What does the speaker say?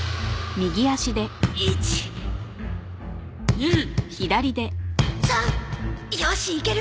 うん。